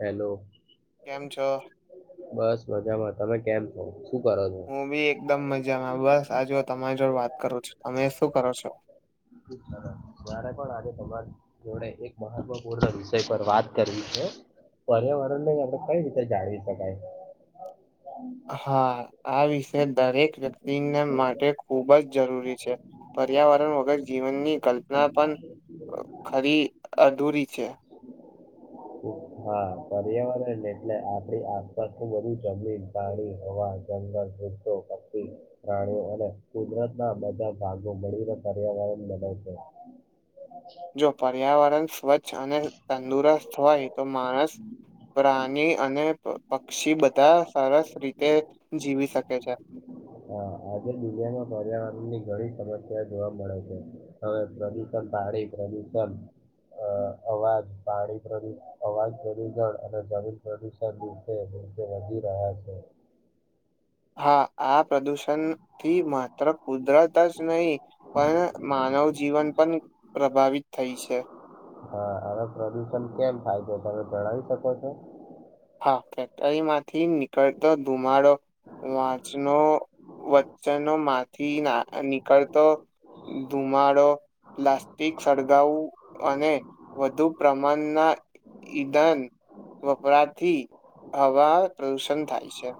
Hello કેમ છો બસ મજામાં તમે કેમ છો શું કરો છો સરસ. હું બી એકદમ મજામાં બસ આજ તમારી જોડે વાત કરું છું તમે શું કરો છો મારે પણ આજે તમારી જોડે એક મહત્વપૂર્ણ વિષય પર વાત કરવી છે પર્યાવરણ નહી આપડણે કઈ રીતે જાળવી શકાય હા આ વિષ દરેક વ્યક્તિને માટે ખુબ જ જરૂરી છે પર્યાવરણ વગર જીવનની કલ્પના પણ ખરી અધૂરી છે હમ હા પર્યાવરણ એટલે આપણી આસપાસ નું બધું જમીન પાણી હવા પ્રાણી અને કુદરત ના બધા ભાગો મળીને પર્યાવરણ બગ છે જો પર્યાવરણ સ્વચ્છ અને તંદુરસ્ત હોય તો માણસ પ્રાણી અને પક્ષી બધા સરસ રીતે જીવી શકે છે હાજ બિરિયાની ઘણી સમસ્યા જોવા મળે છે હવે પ્રદુષણ ભડી પ્રદુષણ અ અવાજ પાણી પ્ર અવાજ પ્રદૂષણ અને જમીન પ્રદૂષણ રીતે વધી રહ્યા છે હા આ પ્રદુષણ થી માત્ર કુદરત જ નહીિ પણ માનવ જીવન પણ પ્રભાવિત થઈ છે હા હવે પ્રદુષણ કેમ થાય તો તમે ભણાવી શકો છો હા કેકરી માંથી નીકળતો ધુમાડો વાંચનો વચ્ચનો માંથી ના નીકળતો ધુમાડો પ્લાસ્ટિક સળગાવું અને વધુ પ્રમાણના ઈદાન વપરાત [inaudible] પ્રદૂષણ થાય છે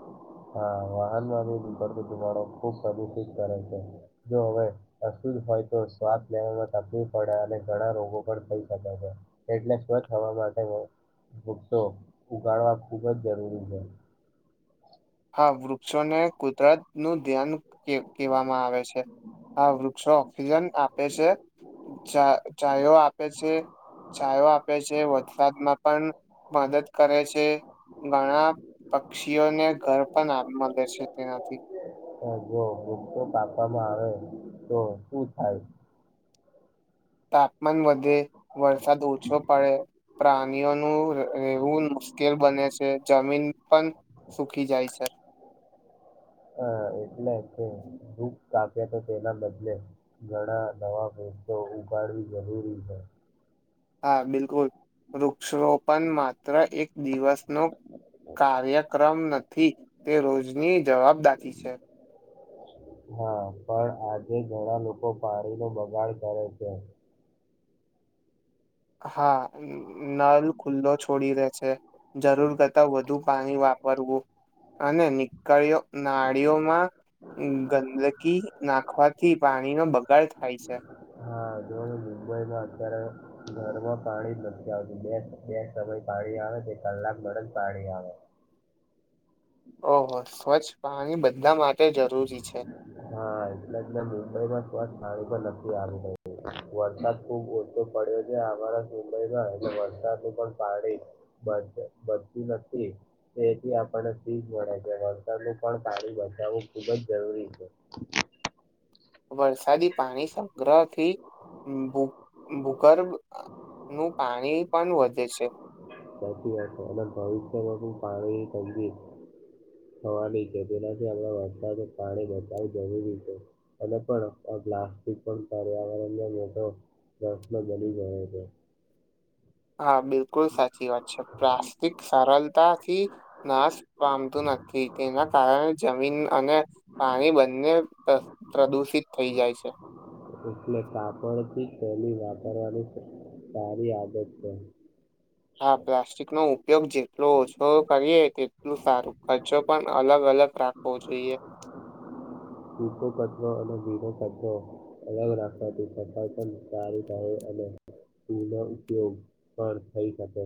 હા વાહન માં ઉપડ તોરોો ખુબ સદુચિત કરે છે જો હવે અશુ હોય તો સ્વાસ લેવામાં તકલીફ પડે અને ઘણા રોગો પણ થઈ શકે છે એટલે સ્વચ્છ હવામાં વૃક્ષો ઉગાડવા ખુબ જ જરૂરી છે હા વૃક્ષોને કુદરત નું ધ્યાન કહેવામાં આવે છે હા વૃક્ષો ઓક્સિજન આપે છે ચાયો આપે છે છાયો આપે છે વરસાદમાં પણ મદદ કરે છે ઘણા પક્ષીઓને ઘર પણ મળે છે તેનાથી હ જો ભપતો કાપવામાં આવે તો શું થાય તાપમાન વધે વરસાદ ઓછો પડે પ્રાણીઓનું રહેવું મુશ્કેલ બને છે જમીન પણ સુકી જાય છે હ એટલે કે વૃક્ષ કાપ્યા તો તેના બદલે ઘણા નવા તો ઉગાડવી જરૂરી છે હા બિલકુલ વૃક્ષ રોપણ માત્ર એક દિવસનો કાર્યક્રમ નથી તે રોજની જવાબદાારી છે હા પણ આજે ઘણા લોકો પાણીનો બગાડ કરે છે હા નલ ખુલ્લો છોડી દે છે જરૂર કરતા વધુ પાણી વાપરવું અને નીકળી નાળીઓમાં ગંદકી નાખવાથી પાણીનો બગાડ થાય છે હા જોવો ને મુંબઈમાં અત્યારે ઘરમાં પાણી નથી આવતું બે સમય પાણી આવે તે કલાક બ જ પાણી આવે ઓહો સ્વચ્છ પાણી બધા માટે જરૂરી છે હા એટલે એટલે મુંબઈ માંણી પણ નથી આવી વરસાદ ખુબ ઓછો પડ્યો છે અમારા મુંબઈમાં એલે વરસાદનું પણ પાણી બતી નથીથી આપને સીજ મળે છે વળતનું પણ સ બજાર હોવું ખુબ જ જરૂરી છે વરસાદી પાણી સંગ્રહથી ભૂ ભૂગર્ભ નું પાણી પણ વધે છે સાચી વાતે અને ભવિષ્યમાં બી પાણીની તંગી થવાની છે. તેનાથી આપણે વરસાદનું પાણી બચાવવું જરૂરી છે, અને પણ [inaudible] પ્લાસ્ટિક પણ પર્યાવરણને મોટો પ્રશ્ન બની ગયો છે. હા બિલકુલ સાચી વાત છે, પ્લાસ્ટિક સરલતાથી નાશ પામતું નથી. થી તેના કારણે જમીન અને પાણી બંને પ્ર પ્રદુષિત થઈ જાય છે. એટલે કાપડથી થેલી વાપરવાની સારી આદત છે. હા પ્લાસ્ટિકનો ઉપ ઉપયોગ જેટલો ઓછો કરીએ તેટલું સારું. કચરો પન અલગ અલગ રાખવો જોઈએ. [inaudible] સૂકો કચરો અને ભીનો કચરો અલગ રાખવાથી સફાઈ પન સારી થાય અ અને તેનો ઉપયોગ પણ થઈ શકે.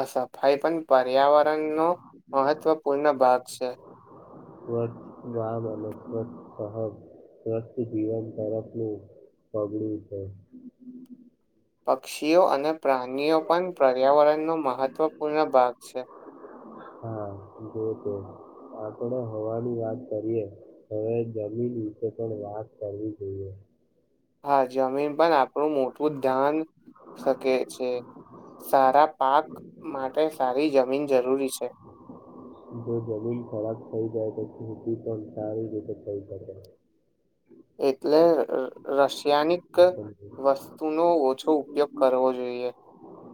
અ સફાઈ પન પર્યાવરણનો મહત્વપૂર્ણ ભાગ છે. સ્વચ્છ વાહન અને સ્વચ્છ સહગ સ્વસ્થ જીવન તરફનું પગલું છે. પક્ષીઓ અને પ્રાનીઓ પન પર્યાવરણનો મહત્વપૂર્ણ ભાગ છે. હા જો તો આપણે હવાની વાત કરીએ, હવે જમી મીન વિશે પણ વાત કરવી જોઈએ. હા જમીન પણ આપણું મોટું ધ્યાન શકે છે. સારા પાક માટે સારી જમીન જરૂરી છે. જો જમીન ખરાબ થઈ જાય તો ખેતી પણ સારી રીતે થઈ શકે. એટલે અ રશિયાનિક વસ્તુનો ઓછો ઉપયોગ કરવો જોઈએ.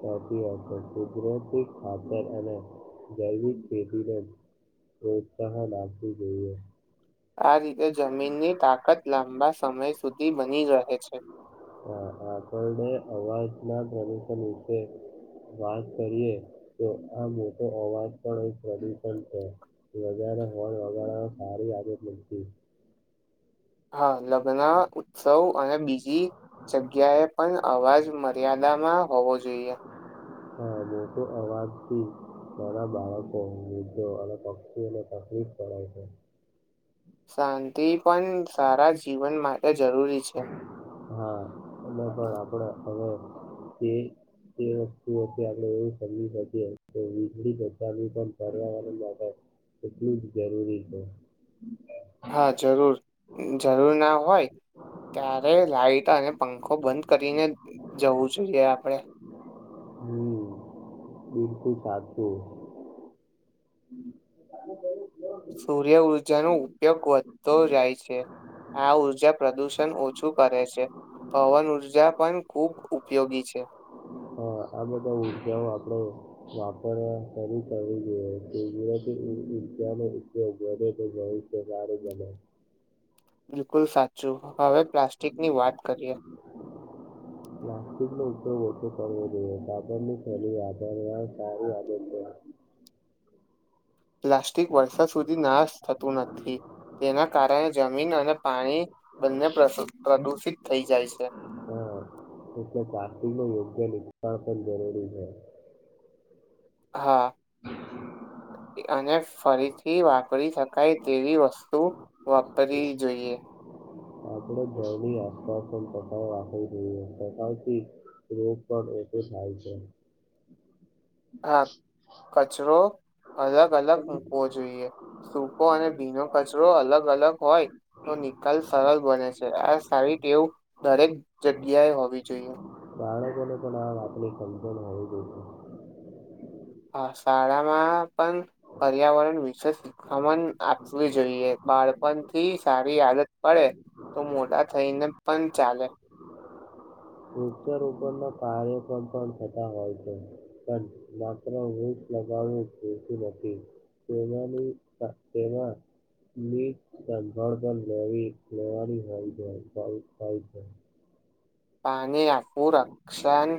સાચી વાતે કુદરતી ખાતર અને જૈવિક ખેતીને પ્રોત્સાહન આપવું જોઈએ. આ રીતે જમીનની તાકત લાંબા સમય સુધી બની રહે છે. હા આપણને અવાજના પ્રદૂશન વિશે વાત કરીએ તો આ મોટો અવાજ પણ એક પ્રદુષન છે. વધારે હોર્ન વગાડવા સારી આદત નથી. હા લગ્ન ઉત્સવ અને બીજી જગ્યાએ પન અવાજ મર્યાદામાં હોવો જોઈએ. હહ મોટો અવાજથી બધાં બાળકો, વૃદ્ધો અને પક્ષીઓને પણ તકલીફ પડે છે. શાંતિ પન સારા જીવન માટે જરૂરી છે. હા અને પણ આપડે હવે એ તે વસ્તુઓથી આપણે એવું સમજી શકીએ કે વીજળી બચાવવી પન પર્યાવરણ માટે એટલું જ જરૂરી છે. હા જરૂર જરૂર ના હોય ત્યારે લાઈટ અને પંખો બંધ કરીને જવું જોઈએ આપણે હમ બિલકુલ સાચું. હમ [inaudible] સૂર્ય ઉર્જાનો ઉપયોગ વધતો જાય છે. આ ઉર્જા પ્રદુષન ઓછું કરે છે. પવન ઉર્જા પન ખુબ ઉપયોગી છે. હા આ બધા ઉર્જાઓ આપ વાપરવા [inaudible] ઉર્જાનો ઉપયોગ વધે તો [inaudible] હોય તો સારું બને. બિલકુલ સાચું, હવે પ્લાસ્ટિકની વાત કરીએ. સ્ટિક નો ઉપયોગ ઓછો કરવો જોઈએ, કાપડની થેલી વાપરવા સારી આદત છે. [inaudible] પ્લાસ્ટિક વર્ષા સુધી નાશ થતું નથી. જેના કારણે જમીન અને પાણી બંને પ્રદુષિત થઈ જાય છે. હા એટલે પ્લાસ્ટિકનો યોગ્ય નિર્ણય પણ જરૂરી છે. હા [inaudible] અને ફરીથી વાપરી શકાય તેવી વસ્તુ વાપરવી જોઈએ. આપણે ઘરની આસપાસ પણ રાખવું જોઈએ, [inaudible] સારું છે. હા કચરો અલગ અલગ મૂકવો જોઈએ, સૂકો અને ભીનો કચરો અલગ અલગ હોય તો નિકાલ સરળ બને છે, આ સારી ટેવું દરેક જગ્યાએ હોવી જોઈએ. બાળકોને પણ આ વાતને સમજ આવી દઈ. હ શાળામાં [inaudible] પર્યાવરણ વિશે શીખામણ આપવી જોઈએ. બાળપણથી સારી આદત પડે તો મોટા થઈને પણ ચાલે. [inaudible] વૃક્ષારોપણના કાર્ય પણ પણ થતા હોય છે, પણ માત્ર વૃક્ષ લગાવવું. નથી તેની તેમાં મેં સંભાળવી લેવાની પાણી આફું રક્ષન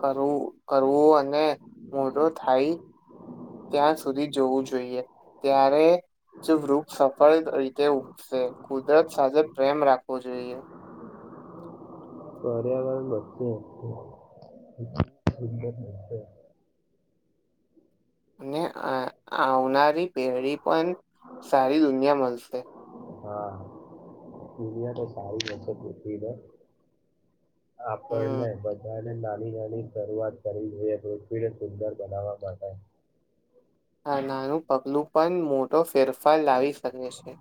કરવું કરવું અને મોટો થાય ત્યાં સુધી જોવું જોઈએ, ત્યારે જે વૃક્ષ સફળ રીતે ઉગશે કુદરત સાથે પ્રેમ રાખવો જોઈએ. પર્યાવરણ બચે [inaudible] અને આવનારી પેઢી પણ સારી દુનિયા મળશે. હા દુનિયા તો સારી બનશે હમ આપણને બધા નાની નાની શરૂઆત કરવી જોઈએ પૃથ્વીને સુંદર બનાવવા માટે, આ નાનું પગલું પણ મોટો ફેરફાર લાવી શકે છે.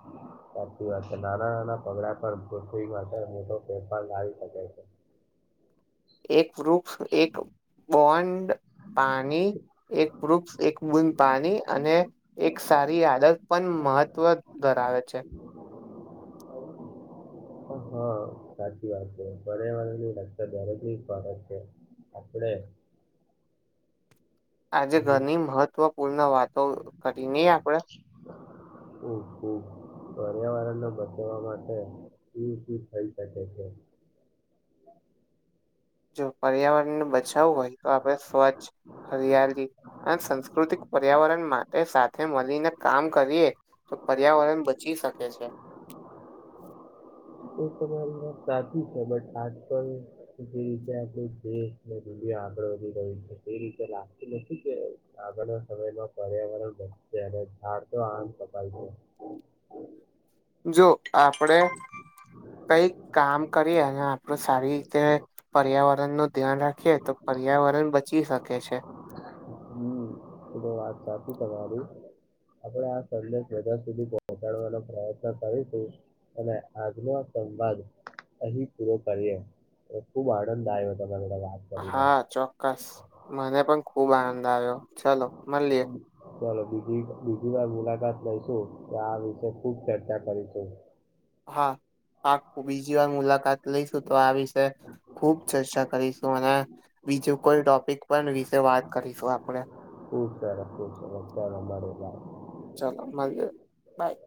સાચી વાત છે નાના નાના પગલા પણ પૃથ્વી માટે મોટો ફેરફાર લાવી શકે છે. [inaudible] એક વૃક્ષ, એક બોન્ડ, પાણી એક એક બૂદ પાણી અને એક સારી આદત મહત્વ ધરાવે છે. [inaudible] [unintelligible] હા સાચી વાત છે, પર્યાવરણની લત જારજ ફરક છે આપણે આજે ઉ- ઘરની મહત્વપૂર્ણ વાતો કરી નહી આપણેે હમ્મ હમ્મ પર્યાવરણને બચવા માટે થઈ શકે છે. [inaudible] [unintelligible] જો પર્યાવરણને બચાવવું હોય તો આપડે સ્વચ્છ, હરિયાળી સંસ્કૃતિક પર્યાવરણ માટે સાથે મળીને કામ કરીએ તો પર્યાવરણ એ બચી શકે છે. [inaudible] એ તમારી સાચી છે, બટ આજ કલ જે રીતે દેશ દ આગળ વધી રહયા છે એ રીતે લાગતી નથી કે આગળના સમયમાં પર્યાવરણ બચચ તો આમ સપાય છે. જો આપણે કઈક કામ કરીએ અને આપડું સારી રીતે પર્યાવરણ નું ધ્યાન રાખીએ તો પર્યાવરણ બચી શકે છે. હમ એ તો વાત સાચી તમારી આપણે આ સંદેશ બધા સુધી પહોચાડવાનો પ્રયત્ન કરીશું અને આજનો સંવાદ અહી પૂરો કરીએ ખુબ આનંદ આવ્યો હતો. હા ચોક્કસ મને પણ ખુબ આનંદ આવ્યો ચલો મળલએ ચાલ બજી બીજી વાર મુલાકાત લઈશું તો આ વિષ ખુબ ચર્ચા કરીશું. હા આ બીજી વાર મુલાકાત લઈશું તો આ વિશે ખુબ ચર્ચા કરીશું અને બીજું કોઈ ટોપિક પણ વિશે વાત કરીશું આપણેે ખૂબ સરસ ખૂબ સરસ [unintelligible] ઉતાર મળલા ચાલો મળીએ બાય